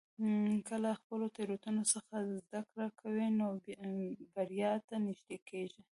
که له خپلو تېروتنو څخه زده کړه کوې، نو بریا ته نږدې کېږې.